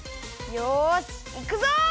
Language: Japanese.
よしいくぞ！